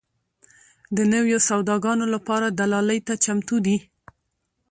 د نویو سوداګانو لپاره دلالۍ ته چمتو دي.